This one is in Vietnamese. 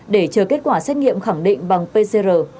để chờ kết quả xét nghiệm khẳng định bằng pcr